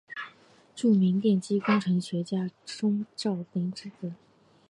著名电机工程学家钟兆琳之子。